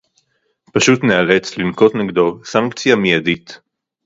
פשוט ניאלץ לנקוט נגדו סנקציה מיידית